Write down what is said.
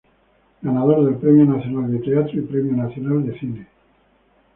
Ganador del Premio Nacional de Teatro y Premio Nacional de Cine.